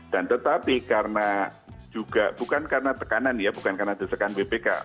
tetapi karena juga bukan karena tekanan ya bukan karena desakan bpk